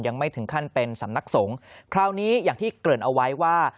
ยังไม่ถึงขั้นเป็นสำนักสงฆ์คราวนี้อย่างที่เกริ่นเอาไว้ว่า